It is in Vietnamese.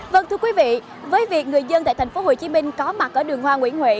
vâng thưa quý vị với việc người dân tại tp hcm có mặt ở đường hoa nguyễn huệ